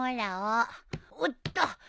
おっと！